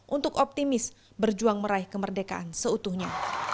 untuk optimis berjuang meraih kemerdekaan seutuhnya